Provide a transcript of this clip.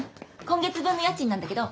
今月分の家賃なんだけど。